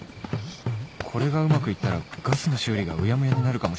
これがうまくいったらガスの修理がうやむやになるかもしれない